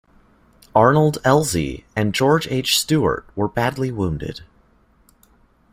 Arnold Elzey and George H. Steuart, were badly wounded.